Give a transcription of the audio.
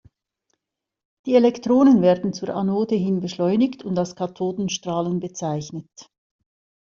Die Elektronen werden zur Anode hin beschleunigt und als Kathodenstrahlen bezeichnet.